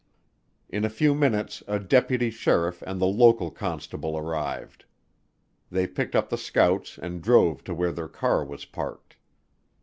In a few minutes a deputy sheriff and the local constable arrived. They picked up the scouts and drove to where their car was parked.